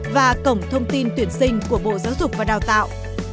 và cổng thông tin tuyển sinh của bộ giáo dục và đào tạo